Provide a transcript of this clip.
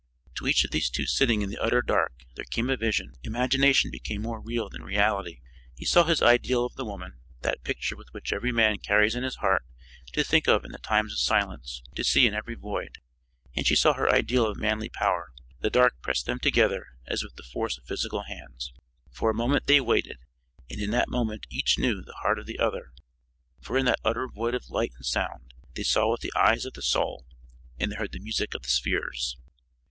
To each of these two sitting in the utter dark there came a vision. Imagination became more real than reality. He saw his ideal of the woman, that picture which every man carries in his heart to think of in the times of silence, to see in every void. And she saw her ideal of manly power. The dark pressed them together as if with the force of physical hands. For a moment they waited, and in that moment each knew the heart of the other, for in that utter void of light and sound, they saw with the eyes of the soul and they heard the music of the spheres.